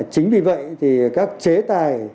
chính vì vậy thì các chế tài